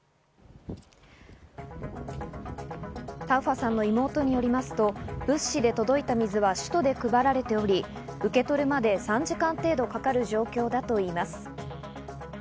タウファさんの妹によりますと、物資で届いた水は首都で配られており、受け取るまで、３時間程度かかる状況だといいます。